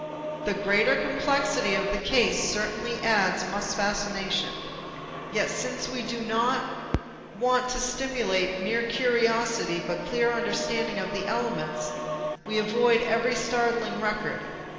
The greater complexity of the case certainly adds much fascination. Yet since we do not want to stimulate mere curiosity but clear understanding of the elements, we avoid every startling record.